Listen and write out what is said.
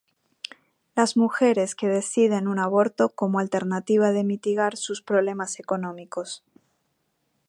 Las mujeres que deciden un aborto como alternativa de mitigar sus problemas económicos.